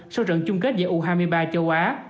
sau trận chung kết giữa u hai mươi ba châu á